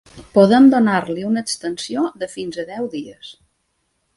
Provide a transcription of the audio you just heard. Podem donar-li una extensió de fins a deu dies.